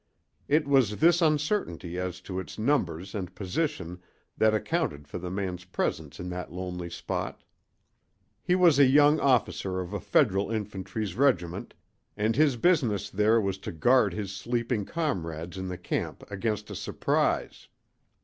It was this uncertainty as to its numbers and position that accounted for the man's presence in that lonely spot; he was a young officer of a Federal infantry regiment and his business there was to guard his sleeping comrades in the camp against a surprise.